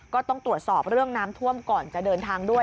ก็ต้องตรวจสอบเรื่องน้ำท่วมก่อนจะเดินทางด้วย